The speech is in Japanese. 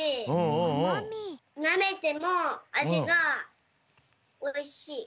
なめてもあじがおいしい。